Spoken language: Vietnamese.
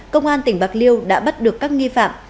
công an tỉnh bạc liêu đã bắt được các nghi phạm